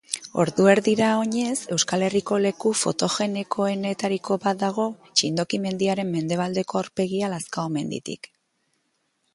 Ordu erdira oinez Euskal Herriko leku fotogenikoenetariko bat dago, Txindoki mendiaren mendebaldeko aurpegia Lazkaomenditik.